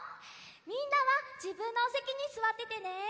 みんなはじぶんのおせきにすわっててね！